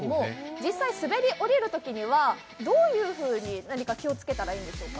実際滑り降りるときにはどういうふうに気をつけたらいいんでしょうか？